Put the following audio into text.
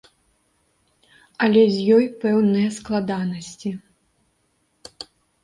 Але з ёй пэўныя складанасці.